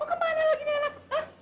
mau kemana lagi nella